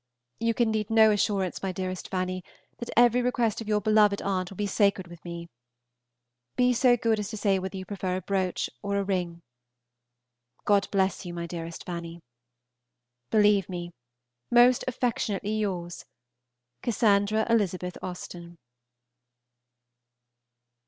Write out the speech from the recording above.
You can need no assurance, my dearest Fanny, that every request of your beloved aunt will be sacred with me. Be so good as to say whether you prefer a brooch or ring. God bless you, my dearest Fanny. Believe me, most affectionately yours, CASS. ELIZTH. AUSTEN.